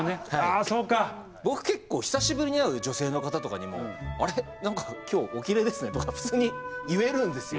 僕、結構、久しぶりに会う女性の方とかにも「あれ？なんか今日、おきれいですね」とかいいなあ。